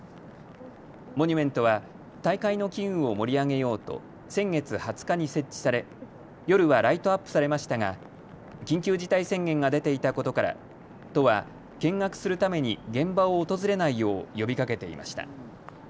モニュメントは大会の機運を盛り上げようと先月２０日に設置され夜はライトアップされましたが緊急事態宣言が出ていたことから都は、見学するために現場を訪れないよう呼びかけていました。